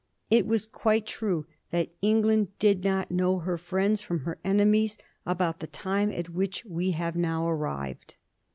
It was quite true that England did not know her friends firom her enemies about the time at which we have now arrived.